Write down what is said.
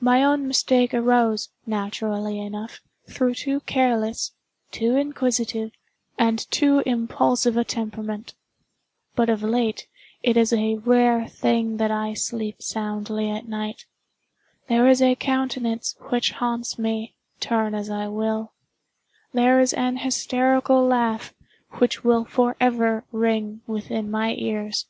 My own mistake arose, naturally enough, through too careless, too inquisitive, and too impulsive a temperament. But of late, it is a rare thing that I sleep soundly at night. There is a countenance which haunts me, turn as I will. There is an hysterical laugh which will forever ring within my ears.